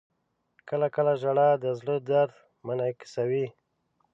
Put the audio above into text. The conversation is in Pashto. • کله کله ژړا د زړه درد منعکسوي.